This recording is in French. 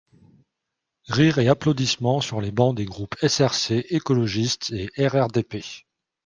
(Rires et applaudissements sur les bancs des groupes SRC, écologiste et RRDP.